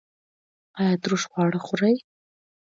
ایا ترش خواړه خورئ؟